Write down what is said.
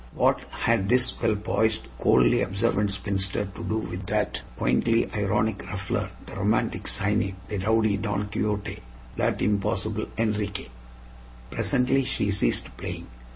What had this well poised, coldly observant spinster to do with that quaintly ironic ruffler, that romantic cynic, that rowdy Don Quixote, that impossible Enriquez? Presently she ceased playing.